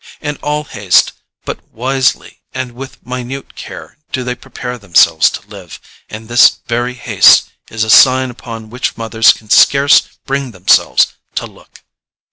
In all haste, but wisely and with minute care do they prepare themselves to live, and this very haste is a sign upon which mothers can scarce bring themselves to look."